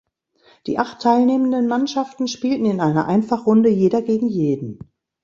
Die acht teilnehmenden Mannschaften spielten in einer Einfachrunde Jeder gegen jeden.